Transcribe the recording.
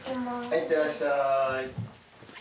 いってらっしゃい。